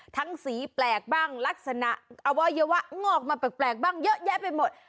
สีแปลกบ้างลักษณะอวัยวะงอกมาแปลกบ้างเยอะแยะไปหมด